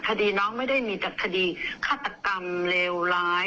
คดีน้องไม่ได้มีแต่คดีฆาตกรรมเลวร้าย